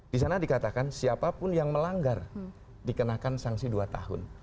di sana dikatakan siapapun yang melanggar dikenakan sanksi dua tahun